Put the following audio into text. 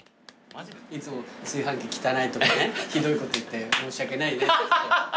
いつも炊飯器汚いとかねひどいこと言って申し訳ない。